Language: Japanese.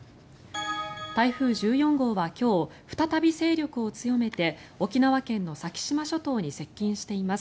台風１４号は今日再び勢力を強めて沖縄県の先島諸島に接近しています。